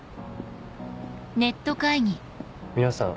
・皆さん